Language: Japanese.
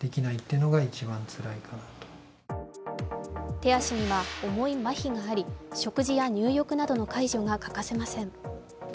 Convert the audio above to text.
手足には重いまひがあり食事や入浴などの介助が欠かせません。